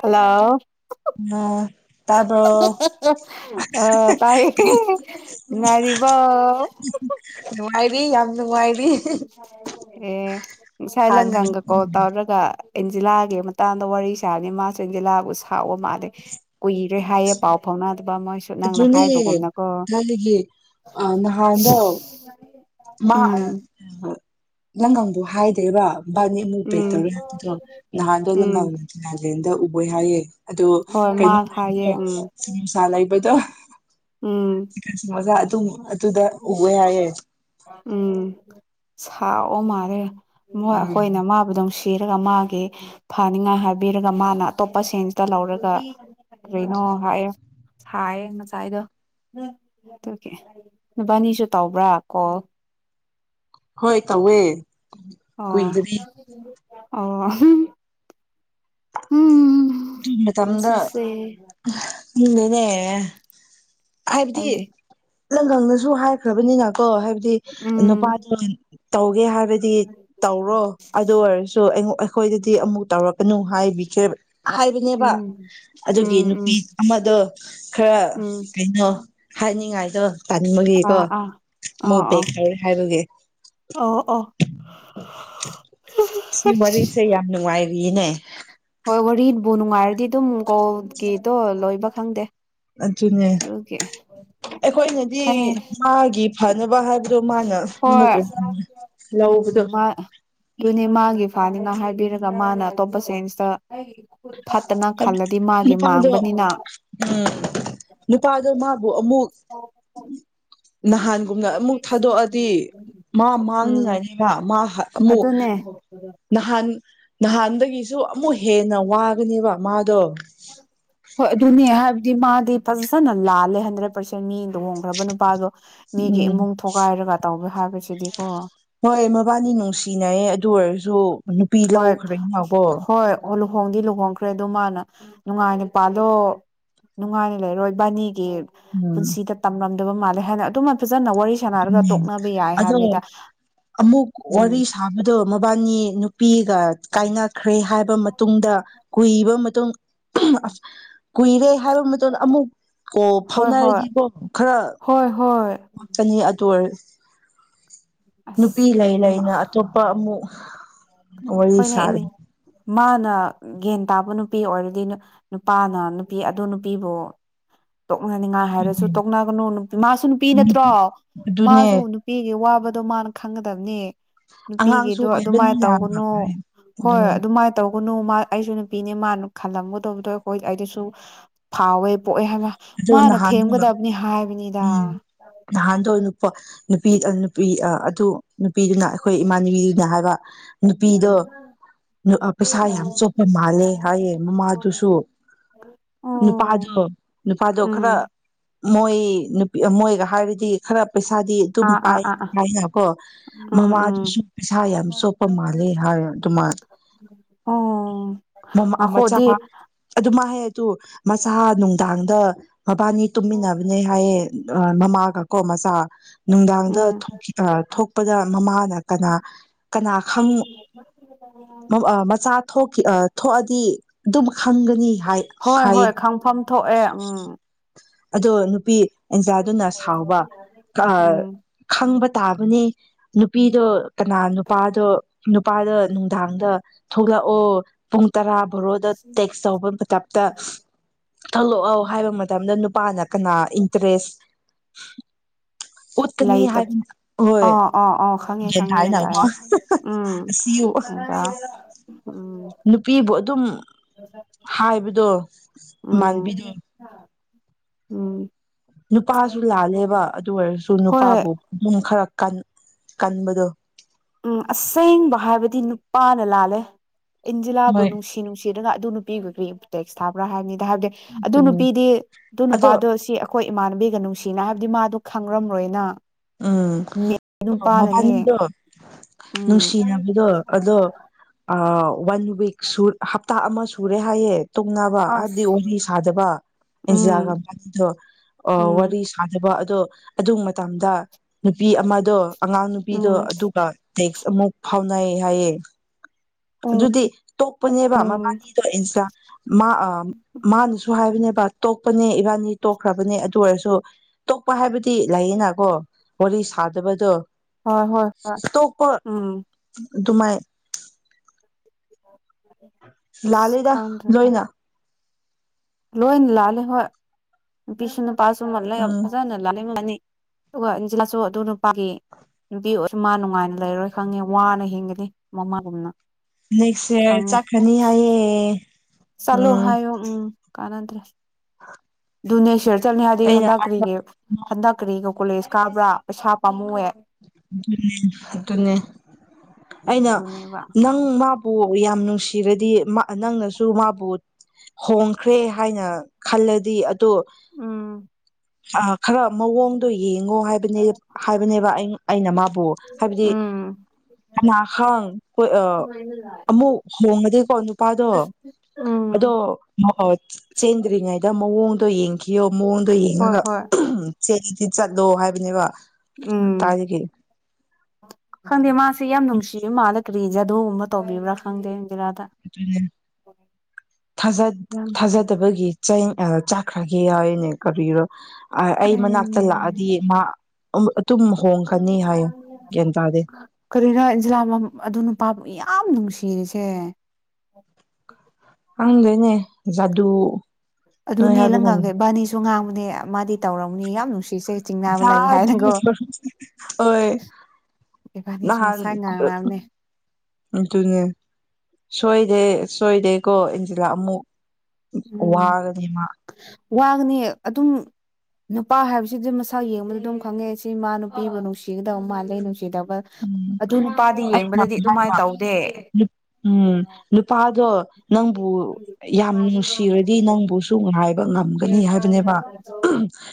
hello ꯑ ꯑ ꯇꯥꯕ꯭ꯔꯣ ꯍꯥ ꯍꯥ ꯍ ꯇꯥꯏ ꯇꯥꯏꯌꯦ ꯅꯨꯡꯉꯥꯏꯔꯤꯕꯣ ꯔꯤ ꯌꯥꯝ ꯅꯨꯡꯉꯥꯏꯔꯤ [unintelligible] ꯑꯦ ꯉꯁꯥꯏ ꯍꯥꯟꯅ ꯂꯪꯒꯪꯒ ꯀꯣꯜ ꯇꯧꯔꯒ ꯑꯦꯟꯖꯤꯂꯥꯒꯤ ꯃꯇꯥꯡꯗ ꯋꯥꯔꯤ ꯁꯥꯕꯅꯤ ꯃꯥꯁꯨ ꯑꯦꯟꯖꯤꯂꯥꯕꯨ ꯁꯥꯎꯕ ꯃꯥꯜꯂꯦ ꯀꯨꯏꯔꯦ ꯍꯥꯏꯌꯦ ꯄꯥꯎ ꯐꯥꯎꯅꯗꯕ ꯃꯣꯏ ꯑꯗꯨꯅꯦ ꯊꯥꯏꯅꯒꯤ ꯑ ꯅꯍꯥꯟꯅꯣ [inaudible] ꯃꯥ ꯑ ꯎꯝ ꯂꯪꯒꯪꯗꯨ ꯍꯥꯏꯗꯦꯕ ꯕꯥꯅꯤꯃꯨꯛ ꯄꯦꯛ ꯎꯝ ꯇꯧꯔꯒ ꯍꯥꯏ꯭ꯗꯔꯣ ꯅꯍꯥꯟꯗꯣ ꯎꯝ ꯂꯪꯒꯥꯡ ꯔꯦꯟꯗ ꯑꯣꯏ ꯍꯥꯏꯌꯦ ꯑꯗꯨ ꯍꯣꯏ ꯃꯥ ꯀꯩꯅꯣ ꯍꯥꯏꯌꯦ ꯂꯩꯕꯗꯣ ꯎꯝ ꯁꯃꯣꯁꯥ ꯂꯩꯕꯗꯣ ꯎꯝ ꯆꯤꯀꯟ ꯁꯃꯣꯁꯥ ꯇꯨꯡ ꯑ ꯑꯗꯨꯗ ꯎꯋꯦ ꯍꯥꯏꯌꯦ ꯎꯝ ꯁꯥꯥꯎ ꯕ ꯃꯥꯔꯦ ꯃꯣꯏ ꯑꯈꯣꯏꯅ ꯎꯝ ꯃꯥꯕꯨꯗꯧꯁꯤ ꯄꯤꯔꯒ ꯃꯥꯒꯤ ꯐꯅꯤꯉꯥꯏ ꯍꯥꯏꯕꯤꯔꯒ ꯃꯥꯅ ꯑꯇꯣꯞꯄ ꯁꯦꯟꯁꯇ ꯂꯧꯔꯒ ꯀ꯭ꯔꯤꯅꯣ ꯍꯥꯏꯌꯦ ꯁꯥꯏꯌꯦ ꯉꯁꯥꯏꯗꯣ ꯑꯗꯨꯒꯤ ꯅꯨꯕꯥꯅꯤꯁꯨ ꯇꯧꯕ꯭ꯔꯥ ꯀꯣꯜ ꯍꯣꯏ ꯇꯧꯋꯦ ꯑꯣ ꯀꯨꯏꯗꯔꯤ ꯑꯣ ꯎꯍꯨꯝ ꯍꯨꯝ ꯅꯨꯡꯇꯤꯒꯤ ꯃꯇꯝꯗ ꯑꯍꯍ ꯍꯤꯡꯂꯦꯅꯦ ꯍꯥꯏꯕꯗꯤ ꯈꯪꯗꯦ ꯂꯪꯒꯪꯅꯁꯨ ꯍꯥꯏꯈ꯭ꯔꯕꯅꯤꯅ ꯀꯣ ꯍꯥꯏ ꯎꯝ ꯅꯨꯄꯥꯗꯣ ꯇꯧꯒꯦ ꯍꯥꯏꯕꯗꯤ ꯇꯧꯔꯣ ꯑꯗꯨ ꯑꯣꯏꯔꯁꯨ ꯑꯩꯉ ꯑꯩꯈꯣꯏꯗꯗꯤ ꯑꯃꯨꯛ ꯇꯧꯔꯛꯀꯅꯨ ꯍꯥꯏꯕꯤꯈ꯭ꯔꯦ ꯍꯥꯏꯕꯅꯦꯕ ꯎꯝ ꯑꯗꯨꯒꯤ ꯎꯝ ꯎꯝ ꯅꯨꯄꯤ ꯑꯃꯗꯣ ꯈꯔ ꯎꯝ ꯑꯣ ꯍꯥꯏꯅꯤꯡꯉꯥꯏꯗꯣ ꯄꯥꯅꯤꯡꯕꯒꯤꯀꯣ ꯑꯥ ꯑꯥ ꯑꯥ ꯑꯥ ꯃꯧꯕꯦꯛ ꯇꯧꯔꯦ ꯍꯥꯏꯕꯒꯤ ꯑꯣ ꯑꯣ ꯁꯤ ꯋꯥꯔꯤꯁꯦ ꯌꯥꯝ ꯅꯨꯡꯉꯥꯏ ꯏꯅꯦ ꯍꯣꯏ ꯋꯥꯔꯤꯕꯨ ꯅꯨꯡꯉꯥꯏꯔꯗꯤ ꯑꯗꯨꯝ ꯀꯣꯜꯒꯤꯗꯣ ꯂꯣꯏꯕ ꯈꯪꯗꯦ ꯑꯗꯨꯅꯦ ꯑꯗꯨꯒꯤ ꯑꯩꯈꯣꯏꯅꯗꯤ ꯑꯦ ꯃꯥꯒꯤ ꯐꯅꯕ ꯍꯥꯏꯕꯗꯣ ꯃꯥꯅ ꯑꯃꯨꯛ ꯍꯣꯏ ꯌꯥꯝꯦ ꯎꯝ ꯂꯧꯕꯗꯣ ꯃꯥ ꯑꯗꯨꯅꯦ ꯃꯥꯒꯤ ꯐꯥꯅꯤꯅ ꯍꯥꯏꯕꯤꯔꯒ ꯃꯥꯅ ꯑꯇꯣꯞꯄ ꯆꯦꯟꯖꯇ ꯐꯠꯇꯅ ꯈꯜꯂꯗꯤ ꯃꯥꯒꯤ ꯅꯨꯄꯥꯗꯣ ꯃꯥꯡꯕꯅꯤꯅ ꯇꯥ ꯑꯗꯨ ꯃꯥ ꯑꯃꯨꯛ ꯅꯍꯥꯟꯒꯨꯝꯅ ꯑꯃꯨꯛ ꯊꯥꯗꯣꯛꯑꯗꯤ ꯃꯥ ꯎꯝ ꯃꯥꯡꯅꯤꯡꯉꯥꯏꯅꯦꯕ ꯃꯥ ꯃꯣ ꯑꯗꯨꯅꯦ ꯅꯍꯥꯟ ꯅꯍꯥꯟꯗꯒꯤ ꯁꯨ ꯑꯃꯨꯛ ꯍꯦꯟꯅ ꯋꯥ ꯅꯤꯕ ꯃꯥꯗ ꯍꯣꯏ ꯑꯗꯨꯅꯦ ꯍꯥꯏꯕꯗꯤ ꯃꯥꯗꯤ ꯐꯖ ꯐꯅ ꯂꯥꯜꯂꯦ ꯍꯟꯗ꯭ꯔꯦꯠ ꯄꯥꯔꯁꯦꯟ ꯃꯤ ꯂꯨꯍꯣꯡꯈ꯭ꯔꯕ ꯅꯨꯄꯥꯗꯣ ꯃꯤꯒꯤ ꯎꯝ ꯏꯃꯨꯡ ꯊꯣꯒꯥꯏꯔꯒ ꯇꯧꯕ ꯍꯥꯏꯕꯁꯤꯗꯤꯀꯣ ꯍꯣꯏ ꯃꯕꯥꯅꯤ ꯅꯨꯡꯁꯤꯅꯩ ꯑꯗꯨ ꯑꯣꯏꯔꯁꯨ [unintelligible] ꯅꯨꯄꯤ ꯍꯣꯏ ꯂꯧꯈ꯭ꯔꯦꯅꯕꯣ ꯍꯣꯏ ꯑꯣ ꯂꯨꯍꯣꯡꯗꯤ ꯂꯨꯍꯣꯡꯈ꯭ꯔꯦ ꯑꯗꯨ ꯃꯥꯅ ꯅꯨꯡꯉꯥꯏꯅ ꯄꯥꯜꯂꯣ ꯅꯨꯡꯉꯥꯏꯅ ꯂꯩꯔꯣꯏ ꯕꯥꯅꯤ ꯎꯝ ꯄꯨꯟꯁꯤꯗ ꯇꯝꯂꯝ ꯕ ꯃꯥꯜꯂꯦ ꯍꯥꯏꯅ ꯑꯗꯨꯃ ꯐꯖꯅ ꯋꯥꯔꯤ ꯁꯥꯟꯅꯔꯒ ꯎꯝ ꯇꯣꯛꯅꯕ ꯌꯥꯏ ꯑꯗꯣ ꯍꯥꯏꯕꯅꯤꯗ ꯑꯃꯨꯛ ꯋꯥꯔꯤ ꯎꯝ ꯁꯥꯕꯗꯣ ꯃꯕꯥꯅꯤ ꯄꯤꯒ ꯀꯥꯏꯅꯈ꯭ꯔꯦ ꯍꯥꯏꯕ ꯃꯇꯨꯡꯗ ꯀꯨꯏꯕ ꯃꯇꯨꯡ ꯑꯁ ꯀꯨꯏꯔꯦ ꯍꯥꯏꯕ ꯃꯇꯝꯗ ꯑꯃꯨꯛ ꯀ ꯍꯣꯏ ꯍꯣꯏ ꯐꯥꯎꯅꯔꯗꯤꯀꯣ ꯈꯔ ꯍꯣꯏ ꯍꯣꯏ ꯍꯥ ꯆꯅꯤ ꯑꯗꯨ ꯑꯣꯏꯔ ꯅꯨꯄꯤ ꯑꯁ ꯂꯩ ꯂꯩꯅ ꯑꯇꯣꯞꯄ ꯑꯃꯨꯛ ꯋꯥꯏ ꯍꯣꯏꯅꯦ ꯁꯔ ꯃꯥꯅ ꯒ꯭ꯌꯥꯟ ꯇꯥꯕ ꯅꯨꯄꯤ ꯑꯣꯏꯔꯗꯤ ꯅꯨꯄꯥꯅ ꯅꯨꯄꯤ ꯑꯗꯨ ꯅꯨꯄꯤꯕꯨ ꯇꯣꯛꯅꯅꯤꯡꯉꯥꯏ ꯍꯥꯏꯔꯁꯨ ꯇꯣꯛꯅꯒꯅꯨ ꯃꯥꯁꯨ ꯅꯨꯄꯤ ꯅꯠꯇ꯭ꯔꯣ ꯑꯗꯨꯅꯦ ꯃꯥꯁꯨ ꯅꯨꯄꯤꯒꯤ ꯋꯥꯕ ꯑꯗꯣ ꯃꯥꯅ ꯈꯪꯒꯗꯕꯅꯦ ꯑꯉꯥꯡꯁꯨ ꯅꯨꯄꯤꯒꯤꯗꯣ ꯑꯣꯏꯕꯅꯤ ꯑꯗꯨꯃꯥꯏꯅ ꯌꯥꯝ ꯇꯧꯒꯅꯨ ꯍꯣꯏ ꯑꯗꯨꯃꯥꯏꯅ ꯇꯧ ꯀꯅꯨ ꯃꯥ ꯑꯩꯁꯨ ꯅꯨꯄꯤꯅꯦ ꯃꯥꯅ ꯈꯜꯂꯝꯒꯗꯧꯕꯗꯣ ꯑꯩꯈꯣꯏ ꯑꯩꯗꯁꯨ ꯐꯥꯎꯋꯦ ꯄꯣꯛꯑꯦ ꯍꯥꯏꯕ ꯑꯗꯨ ꯃꯥꯅ ꯅꯍꯥꯟꯗꯣ ꯊꯦꯝꯒꯗꯕꯅꯤ ꯍꯥꯏꯕꯅꯤꯗ ꯎꯝ ꯅꯍꯥꯟꯗꯣ ꯅꯨꯄꯥ ꯅꯨꯄꯤ ꯅꯨꯄꯤ ꯑꯗꯨ ꯅꯨꯄꯤꯗꯨꯅ ꯑꯩꯈꯣꯏ ꯏꯃꯥꯅ ꯅꯨꯕꯤꯗꯨꯅ ꯍꯥꯏ ꯋꯥ ꯅꯨꯄꯤꯗꯣ ꯎꯝ ꯄꯩꯁꯥ ꯌꯥꯝ ꯆꯣꯞꯄ ꯃꯥꯜꯂꯦ ꯍꯥꯏꯌꯦ ꯃꯃꯥꯗꯨꯁꯨ ꯑꯣ ꯅꯨꯄꯥꯗꯣ ꯅꯨꯄꯥꯗꯣ ꯈꯔ ꯎꯝ ꯃꯣꯏ ꯅꯨꯄꯤ ꯃꯣꯏꯒ ꯍꯥꯏꯔꯗꯤ ꯈꯔ ꯄꯩꯁꯥꯗꯤ ꯑꯗꯨꯝ ꯑꯥ ꯑꯥ ꯄꯥꯏ ꯑꯥ ꯑꯥ ꯍꯥꯏꯥꯏꯅꯀꯣ ꯎꯝ ꯎꯝ ꯃꯃꯥꯗꯨꯁꯨ ꯄꯩꯁꯥ ꯌꯥꯝ ꯁꯣꯛꯄ ꯃꯥꯜꯂꯦ ꯍꯥꯏꯔꯣ ꯑꯗꯨꯃꯥꯏꯅ ꯑꯣ ꯃꯃꯥ ꯃꯆꯥ ꯉꯈꯣꯗꯤ ꯑꯗꯨꯃ ꯍꯥꯏ ꯃꯁꯥ ꯅꯨꯡ ꯇꯥꯡꯗ ꯃꯕꯥꯅꯤ ꯇꯨꯝꯃꯤꯟꯅꯕꯅꯦ ꯍꯥꯏꯌꯦꯦ ꯃꯃꯥꯒ ꯀꯣꯃꯁꯥ ꯅꯨꯡꯗꯥꯡꯗ ꯎꯝ ꯊꯣꯛꯈꯤ ꯊꯣꯛꯄꯗ ꯃꯃꯥꯅ ꯀꯅꯥ ꯀꯅꯥ ꯈꯪ ꯃꯆꯥ ꯊꯣꯛꯈꯤ ꯊꯣꯛꯑꯗꯤ ꯑꯗꯨꯝ ꯈꯟꯒꯅꯤ ꯍꯣꯏ ꯍꯣꯏ ꯈꯪꯐꯝ ꯊꯣꯛꯑꯦ ꯎꯝ ꯑꯗꯣ ꯅꯨꯄꯤ ꯑꯦꯟꯖꯥꯗꯨꯅ ꯁꯥꯎꯕ ꯎꯝ ꯈꯪꯕ ꯇꯥꯕꯅꯦ ꯅꯨꯄꯤꯗꯣ ꯀꯅꯥ ꯅꯨꯄꯥꯗꯣ ꯅꯨꯄꯥꯗ ꯅꯨꯡꯗꯥꯡꯗ ꯊꯣꯛꯂꯛꯑꯣ ꯄꯨꯡ ꯇꯔꯥ ꯕꯣꯔꯣꯗ ꯇꯦꯛꯁ ꯇꯧꯕ ꯄꯊꯥꯞꯇ ꯊꯣꯛꯂꯛꯑꯣ ꯍꯥꯏꯕ ꯃꯇꯝꯗ ꯄꯥꯅ ꯀꯅꯥ ꯏꯟꯇꯔꯦꯁ ꯎꯠꯀꯅꯤ ꯂꯩꯇ ꯍꯥꯏꯕ ꯍꯣꯏ ꯑꯥ ꯑꯥ ꯑꯥ ꯈꯪꯉꯦ ꯒ꯭ꯌꯥꯟ ꯈꯪꯉꯦ ꯌꯦ ꯇꯥꯏꯅꯀꯣ ꯇꯔꯦ ꯎꯝ ꯑꯁꯤ ꯎꯝ ꯅꯨꯄꯤꯕꯨ ꯑꯗꯨꯝ ꯍꯥꯏꯕꯗꯣ ꯃꯥꯟꯕꯤꯗꯣ ꯎꯝ ꯎꯝ ꯅꯨꯄꯥꯁꯨ ꯂꯥꯜꯂꯦꯕ ꯑꯗꯨ ꯑꯣꯏꯔꯁꯨ ꯍꯣꯏ ꯅꯨꯄꯥꯕꯨ ꯃꯟ ꯈꯔ ꯀꯟ ꯀꯟꯕꯗꯣ ꯎꯝ ꯑꯁꯦꯡꯕ ꯍꯥꯏꯕꯗꯤ ꯅꯨꯄꯥꯅ ꯂꯥꯜꯂꯦ ꯍꯣꯏ ꯏꯟꯖꯂꯥꯕꯨꯅꯨꯁꯤꯅꯨꯁꯤ ꯑꯗꯨ ꯅꯨꯄꯤꯒꯄꯤ ꯇꯦꯛꯁ ꯊꯥꯕ꯭ꯔꯥ ꯍꯥꯏꯅꯤ ꯍꯥꯏꯕꯗꯤ ꯑꯗꯨ ꯑꯗꯨꯅꯤ ꯅꯨꯄꯤꯗꯤ ꯑꯗꯨ ꯑꯗꯣ ꯅꯨꯄꯥꯗꯣ ꯁꯤ ꯑꯩꯈꯣꯏ ꯏꯃꯥꯟꯅꯕꯤꯒ ꯅꯨꯡꯁꯤꯅ ꯍꯥꯏꯕꯗꯤ ꯃꯥꯗꯣ ꯈꯪꯔꯝꯔꯣꯏꯅ ꯎꯝ ꯃꯦ ꯅꯨꯄꯥꯅꯅꯦ ꯃꯕꯥꯅꯤꯗꯣ ꯎꯝ ꯅꯨꯡꯁꯤꯅꯕꯗꯣ ꯑꯗꯣ ꯋꯥꯟ ꯋꯤꯛ ꯍꯞꯇꯥ ꯑꯃ ꯁꯨꯔꯦ ꯍꯥꯏꯌꯦꯦ ꯇꯨꯡꯅꯕ ꯍꯥꯏꯕꯗꯤ ꯑꯁ ꯋꯥꯔꯤ ꯁꯥꯗꯕ ꯑꯦꯟꯖꯤꯔꯥꯒ ꯎꯝ ꯃꯅꯤꯗꯣ ꯑ ꯋꯥꯔꯤ ꯎꯝ ꯁꯥꯗ ꯀ ꯑꯗꯣ ꯑꯗꯨ ꯃꯇꯝꯗ ꯅꯨꯄꯤ ꯑꯃꯗꯣ ꯑꯉꯥꯡ ꯅꯨꯕꯤꯗꯣ ꯎꯝ ꯑꯗꯨꯒ ꯃꯨꯛ ꯐꯥꯎꯅꯥ ꯍꯥꯏꯌꯦ ꯎꯝ ꯑꯗꯨꯗꯤ ꯇꯣꯛꯄꯅꯦꯕ ꯎꯝ ꯃꯕꯥꯅꯤꯗꯣ ꯏꯟꯁꯥ ꯃꯥ ꯑ ꯃꯥꯅꯁꯨ ꯍꯥꯏꯕꯅꯦ ꯇꯣꯛꯄꯅꯦ ꯏꯕꯥꯅꯤ ꯇꯣꯛꯈ꯭ꯔꯕꯅꯦ ꯑꯗꯨ ꯑꯣꯏꯔꯁꯨ ꯇꯣꯛꯄ ꯍꯥꯏꯕꯗꯤ ꯤ ꯂꯩꯌꯦꯅꯀꯣ ꯋꯥꯔꯤ ꯁꯥꯗꯕꯗꯣ ꯍꯣꯏ ꯍꯣꯏ ꯍꯣꯏ ꯎꯝ ꯗꯨꯃꯥꯏ [inaudible] ꯂꯥ ꯑꯁ ꯂꯩꯗ ꯈꯪꯗ꯭ꯔꯦꯗ ꯂꯣꯏꯅ ꯂꯣꯏꯅ ꯂꯥꯂꯦ ꯍꯣꯏ ꯄꯤꯁꯅ ꯄꯁꯨ ꯃꯜ ꯂꯩ ꯎꯝ ꯐꯖꯥꯅ ꯂꯅꯤ ꯑꯗꯨꯒꯟꯖꯤ ꯂꯁꯨꯣ ꯑꯗꯨꯅ [inaudible] ꯁ ꯃꯥ ꯅꯨꯡꯉꯥꯏꯅ ꯂꯩꯔꯣꯏ ꯈꯪꯉꯦ ꯋꯥꯅ ꯍꯤꯡꯒꯅꯤ ꯃꯃꯥꯒꯣꯨꯝꯅ ꯅꯦꯛꯁ ꯏꯔ ꯆꯠꯈꯅꯤ ꯍꯥꯏꯌꯦ ꯁꯂꯣꯍꯣ ꯎꯝ ꯎ ꯀꯅꯗ꯭ꯔ ꯅꯦꯁꯔ ꯆꯅꯤ ꯍꯥꯏꯗꯤ ꯑꯩꯅ ꯍꯟꯗ ꯍꯥꯏꯕ ꯀꯔꯤꯒ ꯍꯟꯗ ꯀꯔꯤꯒ ꯀꯣꯂꯦꯖ ꯀꯥꯕ꯭ꯔꯥ ꯄꯩꯁꯥ ꯄꯥꯝꯃꯧꯑꯦ ꯑꯗꯨꯟꯅ ꯑꯗꯨ ꯑꯗꯨꯟꯅ ꯑꯩꯅ ꯑꯗꯨꯅꯦꯕ ꯅꯪ ꯃꯥ ꯌꯥꯝ ꯅꯨꯡꯁꯤꯔꯗꯤ ꯅꯪꯅꯁꯨ ꯃꯥꯕꯨ ꯍꯣꯡꯈ꯭ꯔꯦ ꯍꯥꯏꯅ ꯈꯜꯂꯗꯤ ꯑꯗꯣ ꯎꯝ ꯑ ꯈꯔ ꯃꯑꯣꯡꯗꯣꯌꯦ ꯕꯅꯦ ꯑꯩꯅꯕꯨ ꯍꯥꯏꯕꯗꯤꯅꯥ ꯎꯝ ꯑꯃꯨ ꯍꯣꯡꯉꯗꯀꯣ ꯅꯨꯄꯥꯗꯣ ꯎꯝ ꯑꯣ ꯆꯦꯟꯗ꯭ꯔꯤꯉꯩ ꯃꯑꯣꯡꯗꯣ ꯌꯦꯡꯈꯤꯕꯌꯣ ꯃꯑꯣꯡꯗ ꯍꯣꯏ ꯑꯗꯨꯒꯒ ꯍꯣꯏ ꯁꯦꯗꯤ ꯆꯠꯂꯣ ꯍꯥꯏꯕꯅꯦꯕ ꯎꯝ ꯇꯥꯔꯗꯒꯤ ꯈꯪꯗꯦ ꯃꯥꯁꯦ ꯌꯥꯝ ꯅꯨꯡꯁꯤꯌꯦ ꯃꯥꯅ ꯐꯔꯤꯖꯥꯗꯨꯒꯨꯝꯕ ꯇꯧꯕꯤꯕ꯭ꯔꯥ ꯈꯪꯗꯦ ꯑꯟꯖꯤꯂꯥꯗ ꯑꯗꯨꯖ ꯌꯥꯝ ꯊꯥꯖꯗꯕꯒꯤ ꯆꯩ ꯑ ꯆꯥꯛꯈ꯭ꯔꯥꯒꯤ ꯍꯥꯏꯅꯦ ꯀꯔꯣ ꯑ ꯑꯩ ꯃꯅꯥꯛꯇ ꯂꯥꯛꯑꯗꯤ ꯃꯥ ꯑ ꯇꯥꯗꯦ ꯀꯔꯤꯅꯣ ꯏꯟꯖꯤꯂꯥ ꯑꯗꯨ ꯅꯨꯄꯥ ꯌꯥꯝ ꯅꯨꯡꯁꯤ ꯁꯤꯔꯤꯁꯦ ꯍꯪꯗꯣꯏꯅꯦ ꯖꯥꯗꯨ ꯑꯗꯨ ꯅꯣꯏ ꯅꯦꯜꯍꯪꯒꯥꯡꯈꯩ ꯕꯥꯅꯤꯁꯨ ꯉꯥꯡꯕ ꯃꯥ ꯍꯥꯏꯅꯀꯣ ꯑꯣꯏ ꯏꯕꯥꯅꯤꯁꯨ ꯅꯍꯥꯟ ꯉꯁꯥꯏ ꯉꯥꯡꯅꯕꯅꯦ ꯇꯦ ꯁꯣꯏꯗꯦ ꯁꯣꯏꯗꯦꯀꯣ ꯏꯟꯖꯤꯂꯥ ꯑꯃꯨꯛ ꯎꯝ ꯋꯥꯒꯗꯤꯃ ꯋꯥꯒꯅꯤ ꯑꯗꯨꯝ ꯅꯨꯄꯥ ꯍꯥꯏꯕꯁꯤꯗꯤ ꯃꯁꯥ ꯌꯦꯡꯕꯗ ꯑꯗꯨꯝ ꯈꯪꯉꯦ ꯁꯤ ꯃꯥ ꯅꯨꯄꯤꯕꯨ ꯅꯨꯡꯁꯤꯒꯗꯕ ꯃꯥꯜꯂꯦ ꯅꯨꯡꯁꯤ ꯎꯝ ꯑꯗꯨ ꯅꯨꯄꯥꯗꯤ ꯑꯩꯅ ꯌꯦꯡꯕꯗꯗꯤ ꯍꯥꯏꯕ ꯑꯗꯨꯃꯥꯏꯅ ꯇꯧꯗꯦ ꯎꯝ ꯅꯨꯄꯥꯗꯣ ꯅꯪꯕꯨ ꯌꯥꯝ ꯅꯨꯡꯁꯤꯔꯗꯤ ꯅꯪꯕꯨꯁꯨꯥꯏꯕ ꯉꯝꯒꯅꯤ ꯍꯥꯏꯕꯅꯦꯕ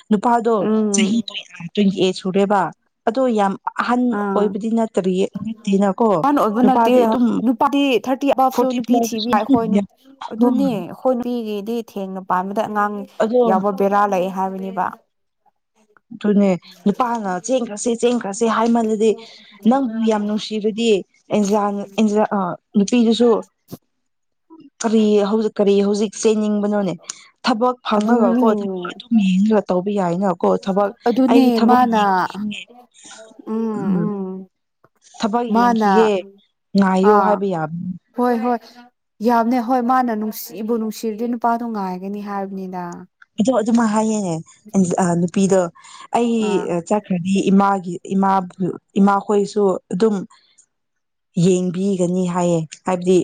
ꯅꯨꯄꯥꯗꯣ ꯎꯝ ꯆꯍꯤ ꯇ꯭ꯋꯦꯟꯇꯤ ꯑꯩꯠ ꯁꯨꯔꯦꯕ ꯑꯗꯣ ꯌꯥꯝ ꯍꯟꯅ ꯑꯥ ꯑꯣꯏꯕ ꯅꯠꯇꯦ ꯅꯨꯄꯥꯗꯤ ꯑꯗꯨꯝ ꯅꯨꯄꯥꯗꯤ ꯊꯥꯔꯇꯤ ꯑꯕꯞꯁꯨ ꯐꯣꯔꯇꯤ ꯅꯨꯄꯤ ꯄ꯭ꯂꯁꯇꯁꯨ ꯊꯤꯕ ꯑꯗꯨꯝ ꯌꯥꯏꯣꯏ ꯌꯥꯝ ꯑꯗꯨꯅꯤ ꯑꯩꯈꯣꯏ ꯅꯨꯄꯤꯒꯤꯗꯤ ꯊꯦꯡꯅ ꯄꯥꯝꯃꯦ ꯑꯉꯥꯡ ꯑꯗꯣ ꯌꯥꯎꯕ ꯕꯦꯔꯥ ꯂꯩ ꯍꯥꯏꯕꯅꯦꯕ ꯑꯗꯨꯅꯦ ꯅꯨꯄꯥꯅ ꯆꯦꯡꯈ꯭ꯔꯁꯦ ꯆꯦꯡꯈ꯭ꯔꯁꯦ ꯍꯥꯏ ꯃꯜꯂꯗꯤ ꯅꯪꯕꯨ ꯌꯥꯝ ꯅꯨꯡꯁꯤꯔꯗꯤ ꯑꯦꯟꯖ ꯏꯟꯖꯥ ꯑ ꯅꯨꯄꯤꯗꯨꯁꯨ ꯀꯔꯤ ꯍꯧꯖꯤꯛ ꯀꯔꯤ ꯍꯧꯖꯤꯛ ꯆꯦꯟꯅꯤꯡꯕꯅꯣꯅꯦ ꯊꯕꯛ ꯑꯗꯨꯅꯦ ꯐꯪꯉꯒꯀꯣ ꯊꯕꯛ ꯑꯗꯨꯝ ꯌꯦꯡꯉꯒ ꯇꯧꯕ ꯌꯥꯏꯅ ꯀꯣ ꯊꯕꯛ ꯑꯗꯨꯅꯦ ꯑꯩꯒꯤ ꯊꯕꯛ ꯃꯥꯅ ꯌꯦꯡꯈꯤꯅꯦ ꯎꯝ ꯊꯕꯛ ꯃꯥꯅ ꯌꯦꯡꯈꯤꯒꯦ ꯉꯥꯏꯌꯣ ꯑꯥ ꯍꯥꯏꯕ ꯌꯥꯕꯅꯤ ꯍꯣꯏ ꯍꯣꯏ ꯌꯥꯝꯅ ꯍꯣꯏ ꯃꯥꯅ ꯅꯨꯡꯁꯤꯕꯨ ꯅꯨꯡꯁꯤꯔꯗꯤ ꯅꯨꯄꯥꯗꯣ ꯉꯥꯏꯒꯅꯤ ꯍꯥꯏꯕꯅꯤꯅ ꯑꯗꯣ ꯑꯗꯨꯃ ꯍꯥꯏꯌꯦꯦꯅꯦ ꯅꯨꯄꯤꯗꯣ ꯑꯩ ꯑꯥ ꯆꯠꯈ꯭ꯔꯗꯤ ꯏꯃꯥꯒꯤ ꯏꯃꯥ ꯏꯃꯥꯈꯣꯏꯁꯨ ꯑꯗꯨꯝ ꯌꯦꯡꯕꯤꯒꯅꯤ ꯍꯥꯏꯌꯦ ꯍꯥꯏꯕꯗꯤ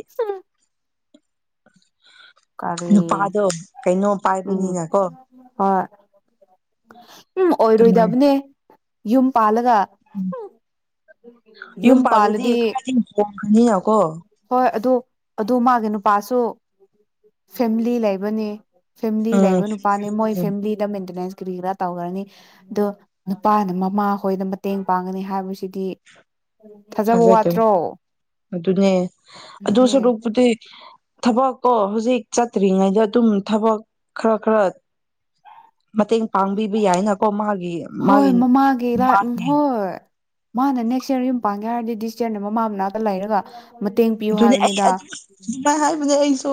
ꯀꯔꯦꯟ ꯅꯨꯄꯥꯗꯣ ꯀꯩꯅꯣ ꯎꯝ ꯄꯥꯏꯕꯅꯤꯅꯀꯣ ꯍꯣꯏ ꯎꯝ ꯑꯗꯨꯃꯥꯏ ꯑꯣꯏꯔꯣꯏꯗꯕꯅꯦ ꯌꯨꯝ ꯄꯥꯂꯒ ꯎꯝ ꯌꯨꯝ ꯄꯥꯟꯜꯗꯗꯤ ꯈꯔꯗꯤ ꯍꯣꯡꯉꯅꯤꯅꯀꯣ ꯍꯣꯏ ꯑꯗꯨ ꯑꯗꯨ ꯃꯥꯒꯤ ꯅꯨꯄꯥꯁꯨ ꯐꯦꯃꯤꯂꯤ ꯂꯩꯕꯅꯤ ꯐꯦꯃꯤꯂꯤ ꯎꯝ ꯂꯩꯕ ꯅꯨꯄꯥꯅꯦ ꯃꯣꯏ ꯐꯦꯃꯤꯂꯤꯗ ꯃꯦꯟꯇꯦꯅꯦꯟꯁ ꯀꯔꯤ ꯀꯔꯥ ꯇꯧꯈ꯭ꯔꯅꯤ ꯑꯗꯣ ꯅꯨꯄꯥꯅ ꯃꯃꯥ ꯍꯣꯏꯅ ꯃꯇꯦꯡ ꯄꯥꯡꯒꯅꯤ ꯍꯥꯏꯕꯁꯤꯗꯤ ꯐꯖꯕ ꯊꯥꯖꯗ꯭ꯔꯦ ꯋꯥꯠꯇ꯭ꯔꯣ ꯑꯗꯨꯅꯦ ꯑꯗꯨꯅꯦ ꯑꯗꯣꯁ ꯔꯣꯛꯄꯗꯤ ꯊꯕꯛ ꯀꯣ ꯍꯧꯖꯤꯛ ꯆꯠꯇ꯭ꯔꯤꯉꯩꯗ ꯑꯗꯨꯝ ꯊꯕꯛ ꯈꯔ ꯈꯔ ꯃꯇꯦꯡ ꯄꯥꯡꯕꯤꯕ ꯌꯥꯏꯅꯀꯣ ꯃꯥꯒꯤ ꯍꯣꯏ ꯃꯥꯒꯤ ꯃꯃꯥꯒꯤ ꯂꯥꯏ ꯎꯝ ꯃꯥꯒꯤ ꯍꯣꯏ ꯃꯥꯅ ꯅꯦꯛꯁ ꯌꯔ ꯌꯨꯝ ꯄꯥꯡꯒꯦ ꯍꯥꯏꯔꯗꯤ ꯗꯤꯁ ꯌꯔꯅ ꯃꯃꯥ ꯃꯅꯥꯛꯇ ꯂꯩꯔꯒ ꯃꯇꯦꯡ ꯄꯤꯌꯨ ꯑꯗꯨꯗꯤ ꯑꯩ ꯍꯥꯏꯕꯅꯤꯗ ꯑꯗꯨ ꯑꯗꯨꯥꯏ ꯍꯥꯏꯕ ꯑꯩ ꯁꯣ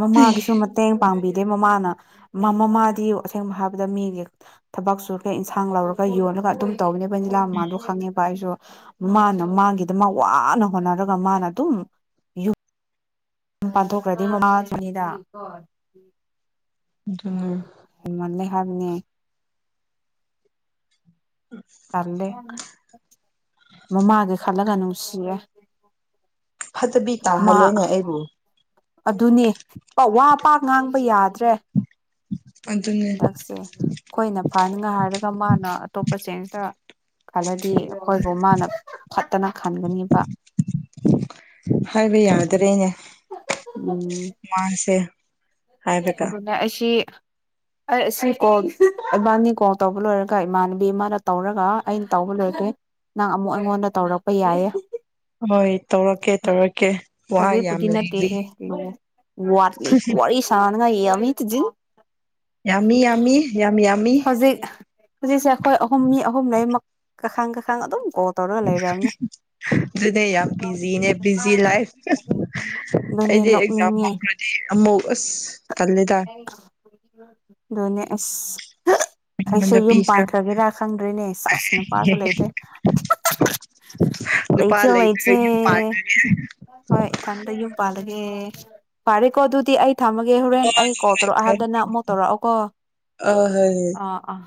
ꯃꯃꯥꯒꯤꯁꯨ ꯃꯇꯦꯡ ꯄꯥꯡꯕꯤꯗꯦ ꯃꯃꯥꯅ ꯃꯃꯥꯗꯤ ꯑꯁꯦꯡꯕ ꯍꯥꯏꯕꯗ ꯃꯤꯒꯤ ꯊꯕꯛ ꯁꯨꯔꯒ ꯏꯟꯁꯥꯡ ꯂꯧꯔꯒ ꯌꯣꯜꯂꯒ ꯑꯗꯨꯝ ꯇꯧꯅꯦꯕ ꯂꯥ ꯃꯃꯜꯗꯣ ꯈꯪꯉꯦꯕ ꯑꯩꯁꯨ ꯃꯥꯅ ꯃꯥꯒꯤꯗ ꯃꯥ ꯋꯥꯅ ꯍꯣꯠꯅꯔꯒ ꯃꯥꯅ ꯑꯗꯨꯝ ꯁꯨꯝ ꯄꯥꯟꯊꯣꯛꯈ꯭ꯔꯗꯤ ꯃꯃꯥꯗꯨꯅꯤꯗ ꯑꯗꯨ ꯊꯝꯅꯤ ꯇꯂꯦ ꯃꯃꯥꯒꯦ ꯈꯜꯂ ꯀꯅ ꯈꯨꯁꯤ ꯐꯠꯇꯕꯤ ꯇꯥꯍꯜꯂꯦꯅꯦ ꯑꯩꯕꯨ ꯑꯗꯨꯅꯦ ꯋꯥ ꯄ ꯉꯥꯡꯕ ꯌꯥꯗ꯭ꯔꯦ ꯑꯗꯨꯅꯦ ꯍꯟꯗꯛꯁꯦ ꯑꯩꯈꯣꯏꯅ ꯐꯅꯤꯡꯉꯥꯏ ꯍꯥꯏꯔꯒ ꯃꯥꯅ ꯑꯇꯣꯞꯄ ꯆꯦꯟꯁꯤꯇ ꯈꯜꯂꯗꯤ ꯑꯩꯈꯣꯏꯕꯨ ꯃꯥꯅ ꯐꯠꯇꯅ ꯈꯟꯒꯅꯦꯕ ꯍꯥꯏꯕ ꯌꯥꯗ꯭ꯔꯦꯅꯦ ꯎꯝ ꯃꯥꯁꯦ ꯍꯥꯏꯔꯒ ꯑꯁꯤ ꯑꯩ ꯑꯁꯤ ꯀꯣꯜ ꯏꯕꯥꯅꯤ ꯀꯣꯜ ꯇꯧꯕ ꯂꯣꯏꯔꯒ ꯏꯃꯥꯟꯅꯕꯤ ꯑꯃꯅ ꯇꯧꯔꯒ ꯑꯩꯅ ꯇꯧꯕ ꯂꯣꯏꯔꯗꯣꯏ ꯅꯪ ꯑꯃꯨꯛ ꯑꯩꯉꯣꯟꯗ ꯇꯧꯔꯛꯄ ꯌꯥꯏꯌꯦ ꯍꯣꯏ ꯇꯧꯔꯛꯀꯦ ꯇꯧꯔꯛꯀꯦ ꯋꯥ ꯌꯥꯝ ꯐꯖꯤꯩꯄꯗꯤ ꯂꯩꯕꯤ ꯅꯠꯇꯦꯍꯦ ꯋꯥꯠꯂꯤ ꯋꯥꯔꯤ ꯁꯥ ꯍ ꯉ ꯑꯃꯤꯠꯖꯤ ꯌꯥꯝꯃꯤ ꯌꯥꯝꯃꯤ ꯌꯥꯝ ꯌꯥꯝꯃꯤ ꯍꯧꯖꯤꯛ ꯍꯧꯖꯤꯛꯁꯦ ꯑꯩꯈꯣꯏ ꯑꯍꯨꯝ ꯃꯤ ꯑꯍꯨꯝ ꯂꯩꯃꯛ ꯀꯥꯈꯪ ꯀꯥꯈꯪ ꯑꯗꯨꯝ ꯀꯣꯜ ꯇꯧꯔꯒ ꯂꯩꯔꯕꯅꯦ ꯑꯗꯨꯅꯦ ꯌꯥꯝ ꯕꯤꯖꯤꯅꯦ ꯕꯤꯖꯤ ꯂꯥꯏꯐ ꯑꯗꯨꯅꯦ ꯑꯩꯗꯤ ꯑꯦꯛꯖꯥꯝ ꯅꯣꯛꯅꯤꯡꯉꯦ ꯍꯧꯈ꯭ꯔꯗꯤ ꯑꯃꯧ ꯑꯁ ꯈꯜꯂꯦꯗ ꯑꯗꯨꯅꯦ ꯑꯁ ꯑꯩꯁꯨ ꯌꯨꯝ ꯄꯤꯁꯤꯔ ꯄꯥꯟꯈ꯭ꯔꯒꯦꯔꯥ ꯈꯪꯗ꯭ꯔꯔꯤꯅꯦ ꯆꯥꯛꯁꯤ ꯅꯨꯄꯥꯁꯨ ꯂꯩꯇꯦ ꯅꯨꯄꯥ ꯂꯩꯆꯣ ꯂꯩꯇ꯭ꯔꯒ ꯂꯩꯆꯦ ꯌꯨꯝ ꯄꯥꯟꯈ꯭ꯔꯒꯦ ꯍꯣꯏ ꯏꯊꯟꯗ ꯌꯨꯝ ꯄ ꯒꯦ ꯐꯔꯦ ꯀꯣ ꯑꯗꯨꯗꯤ ꯑ ꯊꯝꯃꯒꯦ ꯍꯣꯔꯦꯟ ꯑꯩ ꯀꯣꯜ ꯇꯧꯔꯛꯑꯣ ꯍꯥꯏꯕꯗꯅ ꯑꯃꯨꯛ ꯇꯧꯔꯛꯑꯣꯀꯣ ꯑ ꯍꯣꯏ ꯑꯥ ꯑꯥ